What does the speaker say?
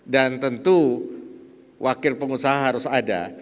dan tentu wakil pengusaha harus ada